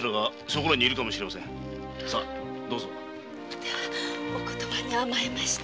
ではお言葉に甘えまして。